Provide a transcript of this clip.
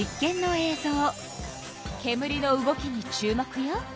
けむりの動きに注目よ。